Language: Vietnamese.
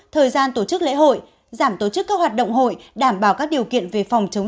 thời gian tổ chức lễ hội giảm tổ chức các hoạt động hội đảm bảo các điều kiện về phòng chống